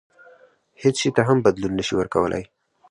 هیڅ شي ته هم بدلون نه شي ورکولای.